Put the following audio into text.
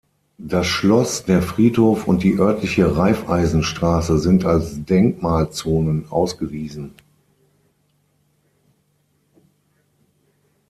Das Schloss, der Friedhof und die örtliche "Raiffeisenstraße" sind als Denkmalzonen ausgewiesen.